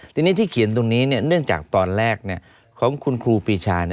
ทีนี้ที่เขียนตรงนี้เนื่องจากตอนแรกของคุณครูปีชา